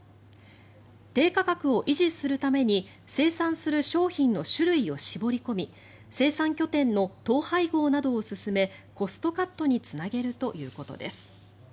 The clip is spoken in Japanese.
低価格を維持するために生産する商品の種類を絞り込み生産拠点の統廃合などを進めコストカットにつなげるということです。